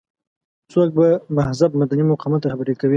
څوک به مهذب مدني مقاومت رهبري کوي.